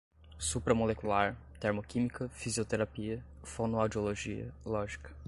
supramolecular, termoquímica, fisioterapia, fonoaudiologia, lógica